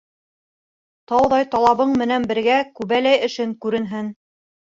Тауҙай талабың менән бергә күбәләй эшең күренһен.